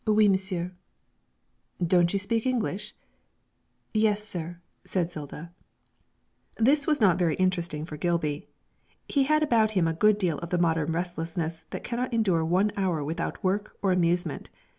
'Oui, monsieur.' 'Don't you speak English?' 'Yes, sir,' said Zilda. This was not very interesting for Gilby. He had about him a good deal of the modern restlessness that cannot endure one hour without work or amusement.